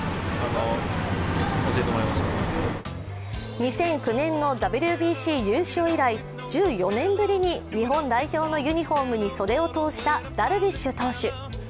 ２００９年のＷＢＣ優勝以来、１４年ぶりに日本代表のユニフォームに袖を通したダルビッシュ投手。